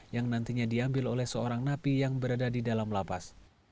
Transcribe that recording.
yang nantinya diambil oleh seorang napi yang berada di dalam lapas